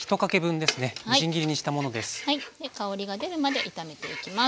香りが出るまで炒めていきます。